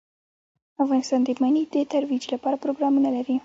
افغانستان د منی د ترویج لپاره پروګرامونه لري.